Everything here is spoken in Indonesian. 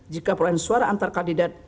jika perolehan suara antar kandidat